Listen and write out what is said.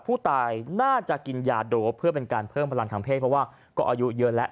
ผู้ตายน่าจะกินยาโดปเพื่อเป็นการเพิ่มพลังทางเพศเพราะว่าก็อายุเยอะแล้ว